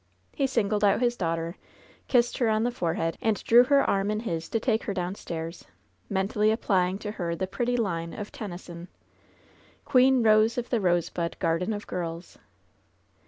He singled out his daughter, kissed her on the fore head, and drew her arm in his to take her downstairs, mentally applying to her the pretty line of Tennyson: ''Queen rose of tie rosebud garden of girls.'